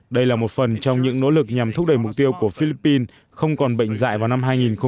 đây là một phần trong những nỗ lực nhằm thúc đẩy mục tiêu của philippines không còn bệnh dạy vào năm hai nghìn ba mươi